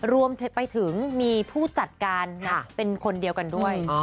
รวมไปถึงมีผู้จัดการเป็นคนเดียวกันด้วย